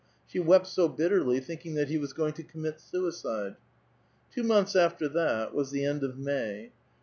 •She wept so bitterly, thinking that he was going to commit suicide. Two months after that was the end of May.